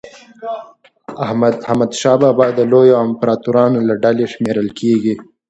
حمدشاه بابا د لویو امپراطورانو له ډلي شمېرل کېږي.